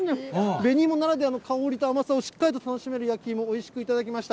紅芋ならではの香りと甘さをしっかりと楽しめる焼き芋、おいしく頂きました。